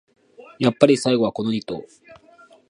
やっぱり最後はこのニ頭